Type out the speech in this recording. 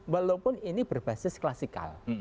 walaupun ini berbasis klasikal